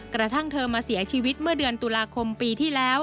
กระทั่งเธอมาเสียชีวิตเมื่อเดือนตุลาคมปีที่แล้ว